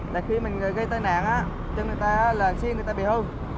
là khi mình gây tai nạn cho người ta là xin người ta bị hư